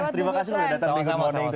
terima kasih sudah datang